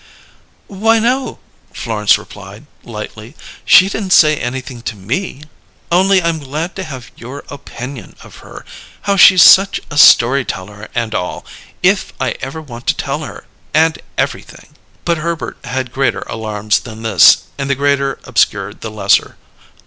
"Why, no," Florence replied, lightly. "She didn't say anything to me. Only I'm glad to have your opinion of her, how she's such a story teller and all if I ever want to tell her, and everything!" But Herbert had greater alarms than this, and the greater obscured the lesser.